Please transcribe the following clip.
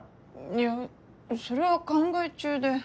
いやそれは考え中で。